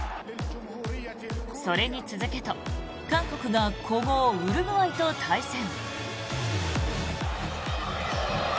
それに続けと韓国が古豪ウルグアイと対戦。